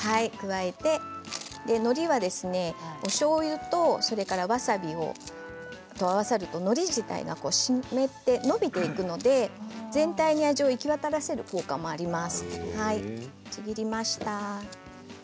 のりはおしょうゆとわさびを合わせるとのり自体が湿って伸びていくので全体の味を行き渡らせる効果もあります。